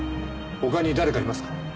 他に誰かいますか？